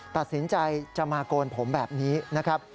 ตัดสินใจจะมาโกนผมแบบนี้นะครับ